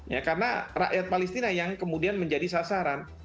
ya karena rakyat palestina yang kemudian menjadi sasaran